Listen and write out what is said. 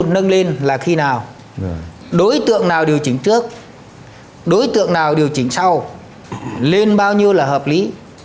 nâng lên là khi nào đối tượng nào điều chỉnh trước đối tượng nào điều chỉnh sau lên bao nhiêu là hợp lý